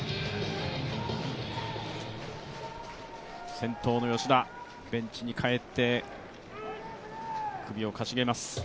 先頭の吉田、ベンチに帰って首をかしげます。